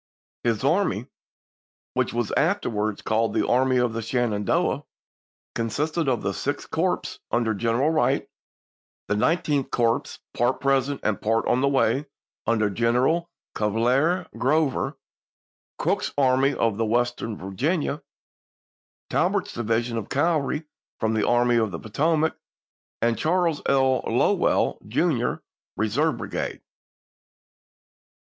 His army, which was afterwards called the Army of the Shenandoah, consisted of the Sixth Corps, under General Wright ; the Nineteenth Corps, part present and part on the way, under General Cuvier Grover; Crook's Army of Western Virginia; Tor bert's division of cavalry from the Army of the Poto mac, and Charles R. Lowell, Jr.'s reserve brigade.